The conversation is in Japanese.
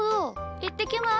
いってきます。